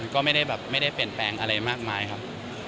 ก็ไม่ได้เปลี่ยนแปลงอะไรมากมายครับ